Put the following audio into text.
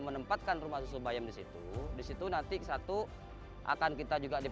terima kasih teman teman